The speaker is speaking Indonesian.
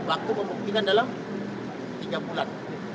waktu membuktikan dalam tiga bulan